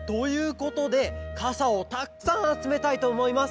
ことでかさをたくさんあつめたいとおもいます。